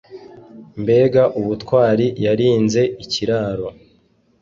Mbega ubutwari yarinze ikiraro